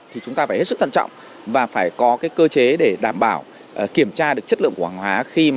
thì chúng ta phải hết sức thân trọng và phải có cơ chế để đảm bảo kiểm tra được chất lượng của hàng hóa